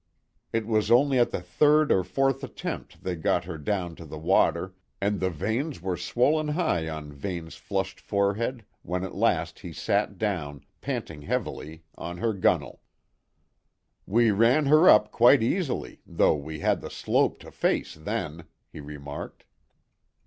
It was only at the third or fourth attempt they got her down to the water, and the veins were swollen high on Vane's flushed forehead when at last he sat down, panting heavily, on her gunwale. "We ran her up quite easily, though we had the slope to face then," he remarked.